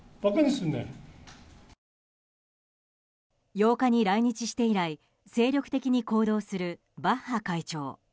８日に来日して以来精力的に行動するバッハ会長。